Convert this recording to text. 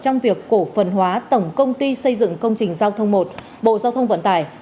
trong việc cổ phần hóa tổng công ty xây dựng công trình giao thông một bộ giao thông vận tải